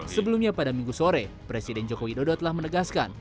sebelumnya pada minggu sore presiden jokowi dodo telah menegaskan